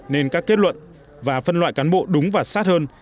nên các kết luận và phân loại cán bộ đúng và sát hơn